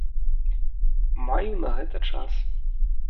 Маю на гэта час.